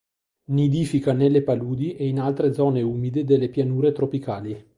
Nidifica nelle paludi e in altre zone umide delle pianure tropicali.